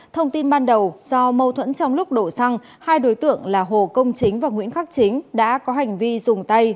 thông tin ban đầu do mâu thuẫn trong lúc đổ xăng hai đối tượng là hồ công chính và nguyễn khắc chính đã có hành vi dùng tay